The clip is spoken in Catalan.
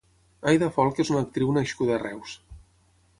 Aida Folch és una actriu nascuda a Reus.